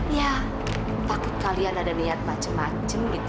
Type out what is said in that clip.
ya takut kalian ada niat macem macem gitu